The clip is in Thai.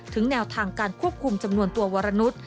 ถึงแนวทางการควบคุมจำนวนตัววรรณุฑ